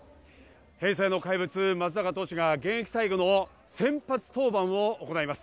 平成の怪物・松坂投手が現役最後の先発登板を行います。